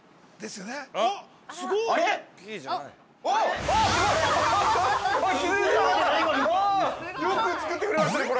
よく作ってくれましたね、これ。